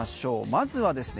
まずはですね